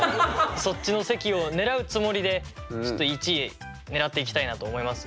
そっちの席を狙うつもりでちょっと１位狙っていきたいなと思います。